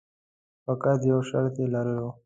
فقط یو شرط یې لرلو.